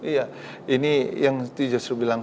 iya ini yang bilang